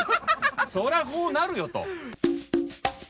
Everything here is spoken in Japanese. そりゃこうなるよと。